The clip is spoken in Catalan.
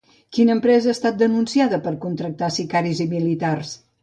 Quina empresa ha estat denunciada per contractar sicaris i militars?